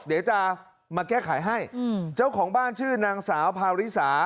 เดี๋ยวจะมาแก้ไขให้เจ้าของบ้านชื่อนางสาวพาริสา